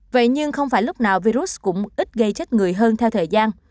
vậy nhưng không phải lúc nào virus cũng ít gây chết người hơn theo thời gian